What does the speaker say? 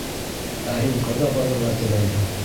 Ә һин ҡайҙа барырға теләйһең?